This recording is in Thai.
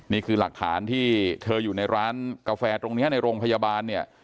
นี่คือหลักฐานที่เธออยู่ในร้านกาแฟตรงนี้ในโรงพยาบาลเนี่ย